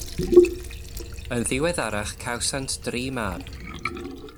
Yn ddiweddarach cawsant dri mab.